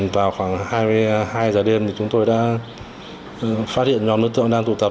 vào khoảng hai mươi hai giờ đêm chúng tôi đã phát hiện nhóm đối tượng đang tụ tập